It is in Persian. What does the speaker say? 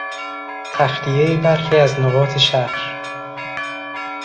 تخلیهی برخی از نقاط شهر